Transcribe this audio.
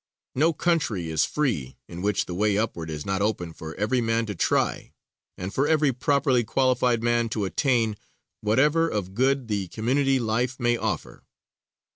No country is free in which the way upward is not open for every man to try, and for every properly qualified man to attain whatever of good the community life may offer.